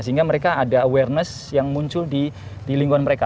sehingga mereka ada awareness yang muncul di lingkungan mereka